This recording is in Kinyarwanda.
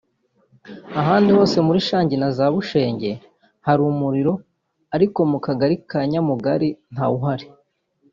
ahandi hose muri Shangi na za Bushenge hari umuriro ariko mu Kagali ka Nyamugali ntawuhari